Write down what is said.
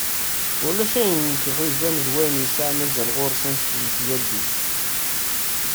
Ulac ayen t-iḥuzan d wayen yesεan azal γuṛ-s annect n tjaddit.